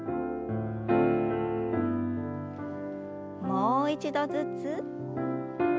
もう一度ずつ。